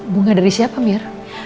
bunga dari siapa mir